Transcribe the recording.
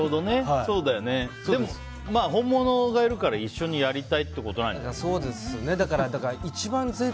でも、本物がいるから一緒にやりたいってことなんじゃない？